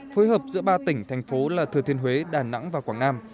phối hợp giữa ba tỉnh thành phố là thừa thiên huế đà nẵng và quảng nam